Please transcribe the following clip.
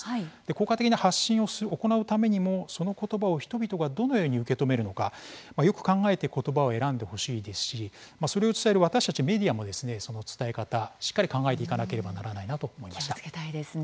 効果的な発信を行うためにもその言葉を人々がどのように受け止めるのかよく考えて言葉を選んでほしいですしそれを伝える私たちメディアもその伝え方、しっかり考えていかなければならないなと思いました。